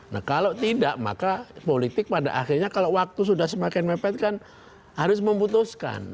nah kalau tidak maka politik pada akhirnya kalau waktu sudah semakin mepet kan harus memutuskan